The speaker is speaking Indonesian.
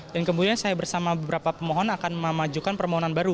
dan kemudian saya bersama beberapa pemohon akan memajukan permohonan baru